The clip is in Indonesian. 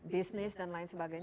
bisnis dan lain sebagainya